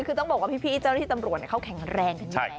คือต้องบอกว่าพี่เจ้าหน้าที่ตำรวจเขาแข็งแรงกันอยู่แล้ว